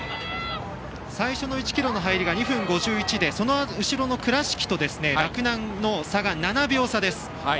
最初の１ｋｍの入りが２分５１でその後ろの倉敷と洛南の差が７秒差です。